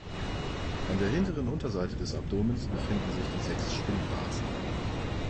An der hinteren Unterseite des Abdomens befinden sich die sechs Spinnwarzen.